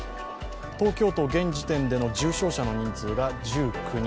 東京都現時点での重症者の人数が１９人。